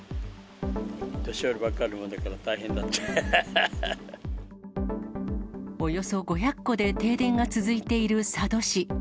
年寄りばっかりなもんだから、およそ５００戸で停電が続いている佐渡市。